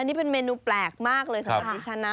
นี่เป็นเมนูแปลกมากเลยสำหรับดิฉันนะ